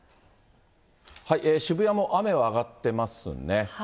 渋谷も雨は上がってますね。